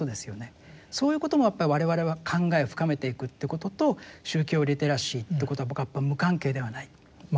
そういうこともやっぱり我々は考えを深めていくということと宗教リテラシーということは僕はやっぱり無関係ではない。